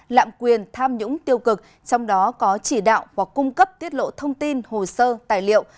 lạm quyền tham nhũng tiêu cực trong đó có chỉ đạo và cung cấp tiết lộ thông tin hồ sơ tài liệu